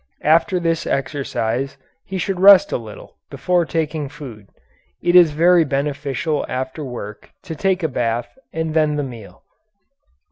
After this exercise he should rest a little before taking food. It is very beneficial after work to take a bath and then the meal.